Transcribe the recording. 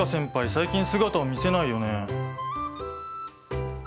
最近姿を見せないよね。